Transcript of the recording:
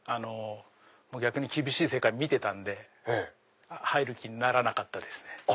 逆に厳しい世界見てたんで入る気にならなかったですね。